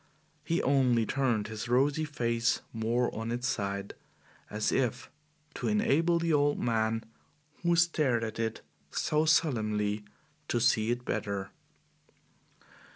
He only turned his rosy face more on its side, as if to enable the old man who stared at it so solemnly to see it better.